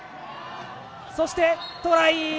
そしてトライ！